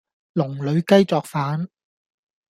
籠裏雞作反